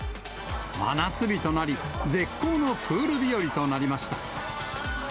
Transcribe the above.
真夏日となり、絶好のプール日和となりました。